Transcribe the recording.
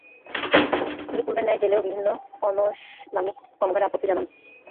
তিনি পূর্বের ন্যায় জেলেও বিভিন্ন অনৈসলামিক কর্মকাণ্ডে আপত্তি জানান।